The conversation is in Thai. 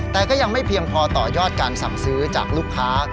แต่ก็ยังไม่เพียงพอต่อยอดการสั่งซื้อจากลูกค้า